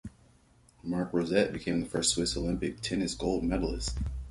Marc Rosset became the first Swiss Olympic tennis gold medallist.